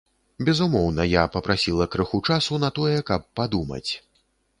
Безумоўна, я папрасіла крыху часу на тое, каб падумаць.